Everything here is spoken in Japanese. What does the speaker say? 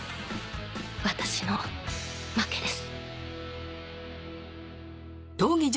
私の負けです